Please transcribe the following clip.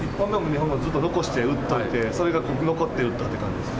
ずっと残して打って、それが残って打ったって感じですか。